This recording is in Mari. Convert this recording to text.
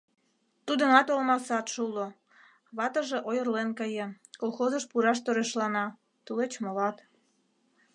— Тудынат олма садше уло, ватыже ойырлен каен, колхозыш пураш торешлана, тулеч молат.